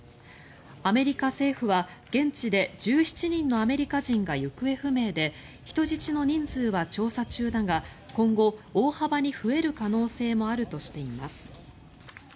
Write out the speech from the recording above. アメリカ政府は現地で１７人のアメリカ人が行方不明で人質の人数は調査中だが今後、大幅に増える可能性もあるとしています。